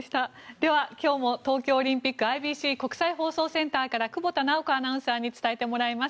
では今日も東京オリンピックＩＢＣ・国際放送センターから久保田直子アナウンサーに伝えてもらいます。